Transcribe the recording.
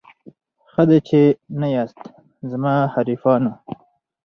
ښه دی چي نه یاست زما حریفانو